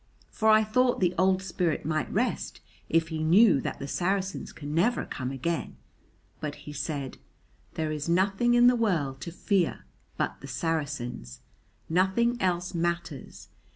For I thought the old spirit might rest if he knew that the Saracens can never come again. But he said, "There is nothing in the world to fear but the Saracens. Nothing else matters.